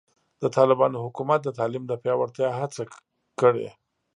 د طالبانو حکومت د تعلیم د پیاوړتیا هڅه کړې.